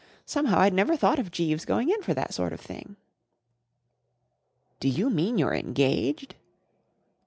Somehow* I'd never thought of Jeeves going in for that sort of thing. " Do you mean you're engaged